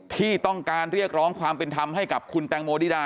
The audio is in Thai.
ที่ต้องการเรียกร้องความเป็นธรรมให้กับคุณแตงโมนิดา